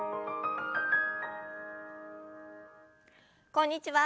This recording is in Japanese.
こんにちは